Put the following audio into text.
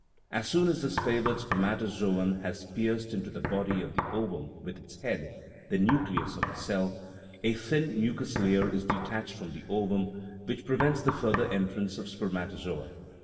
As soon as this favored spermatozoon has pierced into the body of the ovum with its head (the nucleus of the cell), a thin mucous layer is detached from the ovum which prevents the further entrance of spermatozoa.